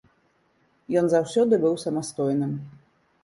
Ён заўсёды быў самастойным.